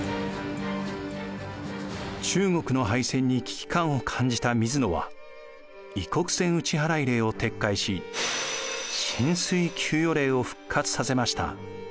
中国の敗戦に危機感を感じた水野は異国船打払令を撤回し薪水給与令を復活させました。